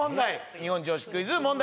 日本常識クイズ問題